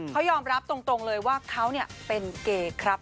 เขายอมรับตรงเลยว่าเขาเป็นเกย์ครับ